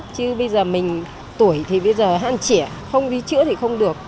chứ bây giờ mình tuổi thì bây giờ hạn trẻ không đi chữa thì không được